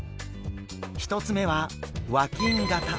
１つ目は和金型。